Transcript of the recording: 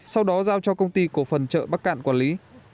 sau đó giao cho công ty cổ phần chợ bắc cạn quản lý